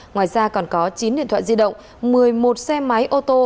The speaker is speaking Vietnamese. ngoài ra còn có chín điện thoại di động một mươi một xe máy ô tô